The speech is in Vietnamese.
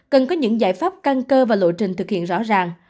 cần có những giải pháp căn cơ và lộ trình thực hiện rõ ràng